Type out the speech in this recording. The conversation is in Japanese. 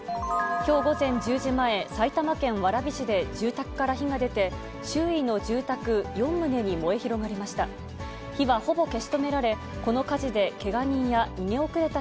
きょう午前１０時前、埼玉県蕨市で住宅から火が出て、周囲の住宅４棟に燃え広がりました。